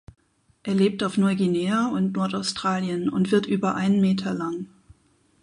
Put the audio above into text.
Er lebt auf Neuguinea und Nordaustralien und wird über einen Meter lang.